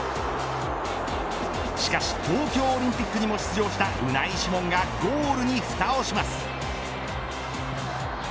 しかし、東京オリンピックにも出場したシモンがゴールにふたをします。